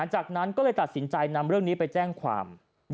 จากนั้นก็เลยตัดสินใจนำเรื่องนี้ไปแจ้งความ